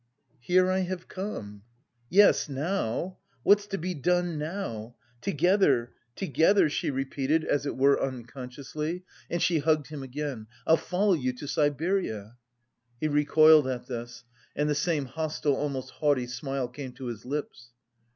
"Here I have come." "Yes, now! What's to be done now?... Together, together!" she repeated as it were unconsciously, and she hugged him again. "I'll follow you to Siberia!" He recoiled at this, and the same hostile, almost haughty smile came to his lips.